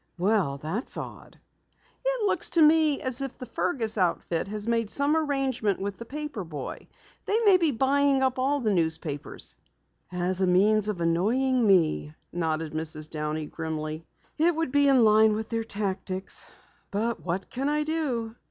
"Well, that's odd." "It looks to me as if the Fergus outfit has made some arrangement with the paper boy. They may be buying up all the papers." "As a means of annoying me," nodded Mrs. Downey grimly. "It would be in line with their tactics. But what can I do?"